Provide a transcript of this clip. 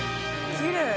きれい。